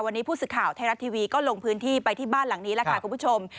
วันนี้ผู้สื่อข่าวไทยรัฐทีวีก็ลงพื้นที่ไปที่บ้านหลังนี้แหละค่ะคุณผู้ชม